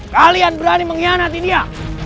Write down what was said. kalian berani mengkhianati dia